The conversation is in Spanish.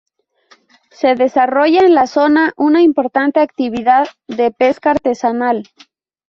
Se desarrolla en la zona una importante actividad de pesca artesanal.